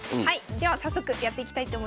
では早速やっていきたいと思います。